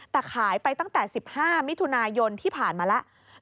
แต่ขายไปตั้งแต่๑๕มิถุนายนที่ผ่านมาแล้ว